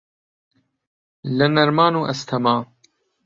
لە نەرمان و ئەستەما